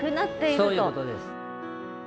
そういうことです。